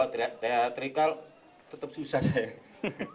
kalau teatrical tetep susah saya